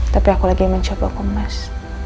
tapi aku lagi mencoba komas